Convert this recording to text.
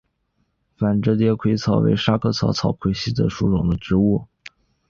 反折果薹草为莎草科薹草属的植物。